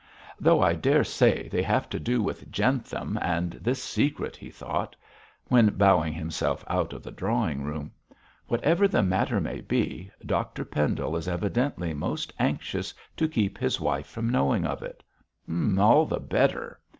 'Though I daresay they have to do with Jentham and this secret,' he thought, when bowing himself out of the drawing room. 'Whatever the matter may be, Dr Pendle is evidently most anxious to keep his wife from knowing of it. All the better.'